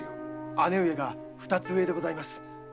姉上が二つ上でございます。